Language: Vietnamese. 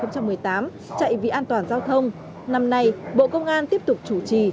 chạy vì an toàn giao thông năm nay bộ công an tiếp tục chủ trì